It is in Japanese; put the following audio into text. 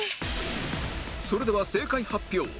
それでは正解発表